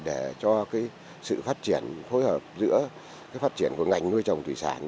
để cho sự phát triển phối hợp giữa phát triển của ngành nuôi trồng thủy sản